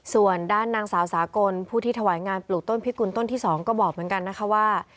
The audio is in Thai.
ส่วนด้านนางสาวสากลผู้ที่ถวายงานปลูกต้นพิกุลต้นที่๒ก็บอกเหมือนกันนะคะว่า